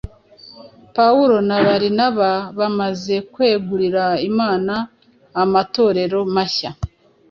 Pawulo na Barinaba bamaze kwegurira Imana amatorero mashya,